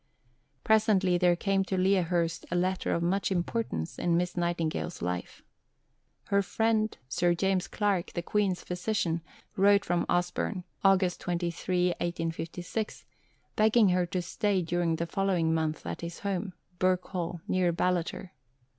Presently there came to Lea Hurst a letter of much importance in Miss Nightingale's life. Her friend, Sir James Clark, the Queen's physician, wrote from Osborne (August 23, 1856) begging her to stay during the following month at his home, Birk Hall, near Ballater.